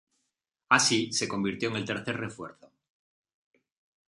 Así, se convirtió en el tercer refuerzo.